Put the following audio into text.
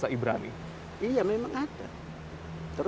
akibat yang obviously lupanya aktif